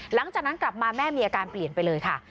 หลังจากนั้นกลับมาแม่มีอาการเปลี่ยนไปเลยค่ะ